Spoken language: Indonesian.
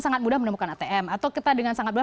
sangat mudah menemukan atm atau kita dengan sangat mudah